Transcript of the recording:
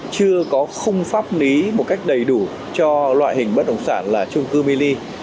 chưa có khung pháp lý một cách đầy đủ cho loại hình bất động sản là trung cư mini